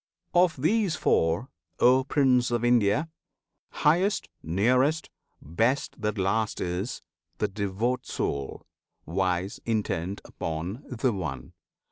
Of these four, O Prince of India! highest, nearest, best That last is, the devout soul, wise, intent Upon "The One."